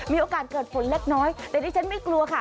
มีโอกาสเกิดฝนเล็กน้อยแต่ดิฉันไม่กลัวค่ะ